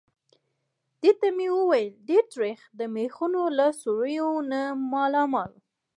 دې ته مې وویل: ډېر تریخ. د مېخونو له سوریو نه مالامال.